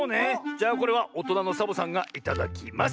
じゃあこれはおとなのサボさんがいただきます。